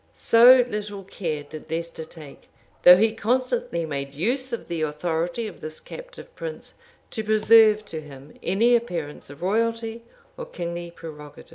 [] So little care did Leicester take, though he constantly made use of the authority of this captive prince, to preserve to him any appearance of royalty or kingly prerogatives.